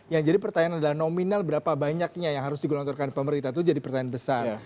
yang jadi pertanyaan adalah nominal berapa banyaknya yang harus digelontorkan pemerintah itu jadi pertanyaan besar